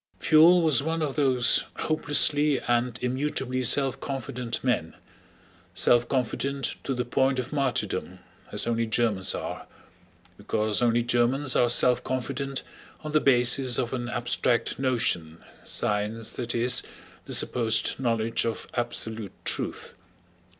Pfuel was one of those hopelessly and immutably self confident men, self confident to the point of martyrdom as only Germans are, because only Germans are self confident on the basis of an abstract notion—science, that is, the supposed knowledge of absolute truth.